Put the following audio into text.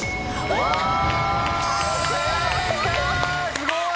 すごい！